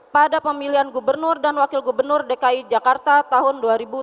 pada pemilihan gubernur dan wakil gubernur dki jakarta tahun dua ribu tujuh belas